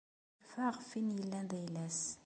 Irfa ɣef win yellan d ayla-s.